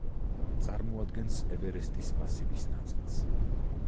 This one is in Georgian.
წარმოადგენს ევერესტის მასივის ნაწილს.